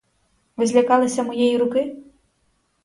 Ви злякалися моєї руки?